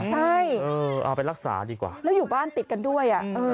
ใช่เอาไปรักษาดีกว่าแล้วอยู่บ้านติดกันด้วย